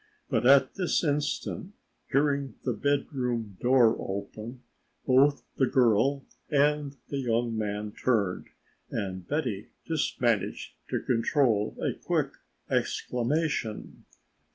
But at this instant, hearing the bedroom door open, both the girl and the young man turned and Betty just managed to control a quick exclamation.